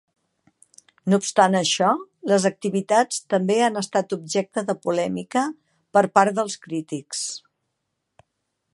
No obstant això, les activitats també han estat objecte de polèmica per part dels crítics.